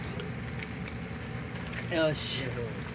よし。